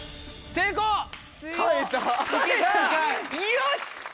よし！